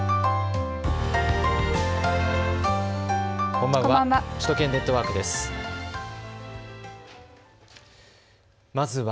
こんばんは。